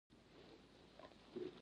غږ د زاړه نصیحت دی